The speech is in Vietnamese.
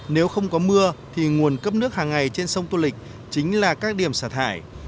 nếu không có mưa thì nguồn cấp nước hàng ngày trên sông tô lịch chính là các điểm sạt hải